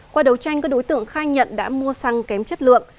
qua đấu tranh các đối tượng khai nhận đã mua xăng kém chất lượng